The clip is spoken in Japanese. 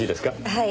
はい。